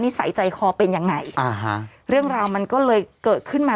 สัยใจคอเป็นยังไงอ่าฮะเรื่องราวมันก็เลยเกิดขึ้นมา